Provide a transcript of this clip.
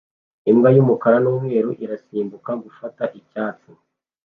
Imbwa y'umukara n'umweru irasimbuka gufata icyatsi